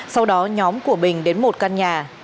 sau đó nhóm của bình đến một căn nhà